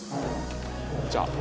じゃあ。